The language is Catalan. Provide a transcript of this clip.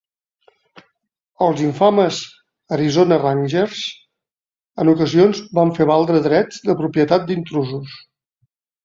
Els infames Arizona Rangers en ocasions van fer valdre drets de propietat d'intrusos.